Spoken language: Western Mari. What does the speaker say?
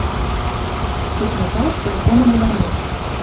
Секретарь райкомын Иванов...»